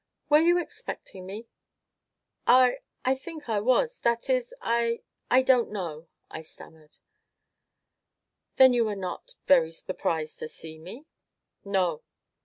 "Were you expecting me?" "I I think I was that is I I don't know!" I stammered. "Then you were not very surprised to see me?" "No."